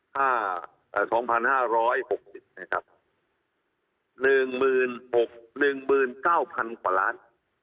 ห้าเอ่อสองพันห้าร้อยหกสิบนะครับหนึ่งหมื่นหกหนึ่งหมื่นเก้าพันกว่าล้าน